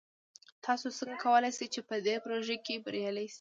تاسو څنګه کولی شئ چې په دې پروژه کې بریالي شئ؟